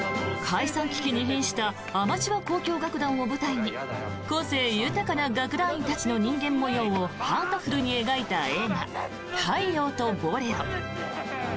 解散危機にひんしたアマチュア交響楽団を舞台に個性豊かな楽団員たちの人間模様をハートフルに描いた映画「太陽とボレロ」。